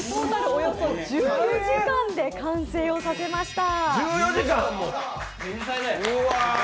およそ１４時間で完成させました。